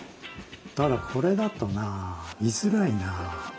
ただこれだとなあ見づらいなあ。